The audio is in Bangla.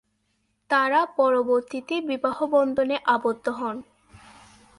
তারা পরবর্তীতে বিবাহ বন্ধনে আবদ্ধ হন।